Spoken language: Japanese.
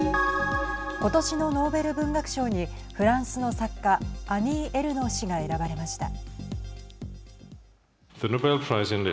今年のノーベル文学賞にフランスの作家アニー・エルノー氏が選ばれました。